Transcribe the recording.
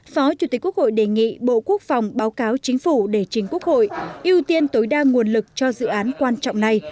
phó chủ tịch quốc hội đề nghị bộ quốc phòng báo cáo chính phủ để chính quốc hội ưu tiên tối đa nguồn lực cho dự án quan trọng này